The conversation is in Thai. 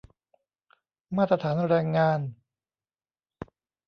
มาตรฐานแรงงาน